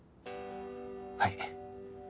はい。